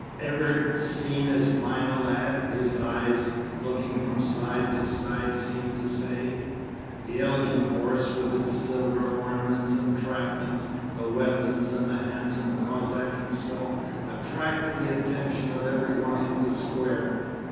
'Ever seen as fine a lad?' his eyes, looking from side to side, seemed to say. The elegant horse with its silver ornaments and trappings, the weapons, and the handsome Cossack himself attracted the attention of everyone in the square.